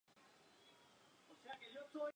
Luego fue cubierta con una tela yemení.